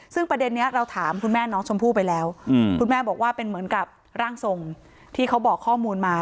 ซึ่งประเด็นนี้เราถามคุณแม่น้องชมพู่ไปแล้วคุณแม่บอกว่าเป็นเหมือนกับร่างทรงที่เขาบอกข้อมูลมา